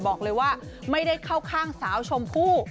บอกเลยว่าไม่ได้เข้าข้างสาวชมพู่